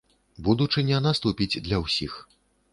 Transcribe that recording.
Будучыня наступіць для ўсіх.